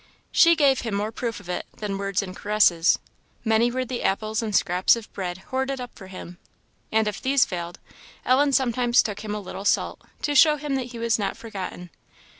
She gave him more proof of it than words and caresses. Many were the apples and scraps of bread hoarded up for him; and if these failed, Ellen sometimes took him a little salt, to show him that he was not forgotten.